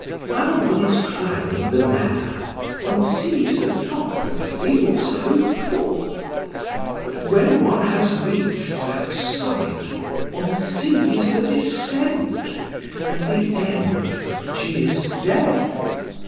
While one is climbing the ladder, one sees the top and feels hopeful; but when one has reached that summit, one sees the descent and the end which is death.